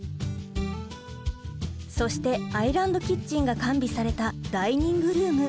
そしてアイランドキッチンが完備されたダイニングルーム。